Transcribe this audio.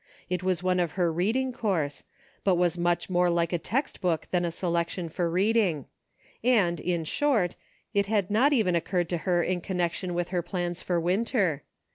It was one of her reading course ; but was much more like a text book than a selec tion for reading ; and, in short, it had not even occurred to her in connection with her plans for Winter.